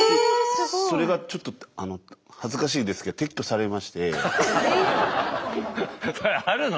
それがちょっと恥ずかしいですけどそれあるの？